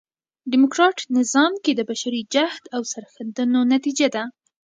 ډيموکراټ نظام کښي د بشري جهد او سرښندنو نتیجه ده.